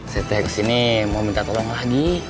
saya ke sini mau minta tolong lagi